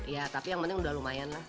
ya tapi yang penting udah lumayan lah